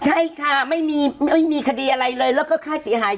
ใช่ค่ะไม่มีไม่มีคดีอะไรเลยแล้วก็ค่าเสียหาย